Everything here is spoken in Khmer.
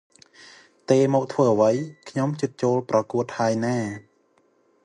តេមកធ្វើអី ខ្ញុំជិតចូលប្រគួតហើយណា ។